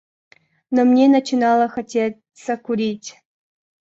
Но мне начинало хотеться курить.